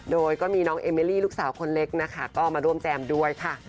โดยก็มีน้องเอเมลี่ลูกสาวคนเล็กนะคะก็มาร่วมแจมด้วยค่ะ